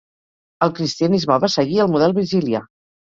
El cristianisme va seguir el model virgilià.